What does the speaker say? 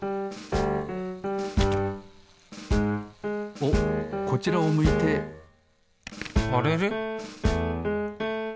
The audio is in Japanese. おっこちらを向いてあれれ？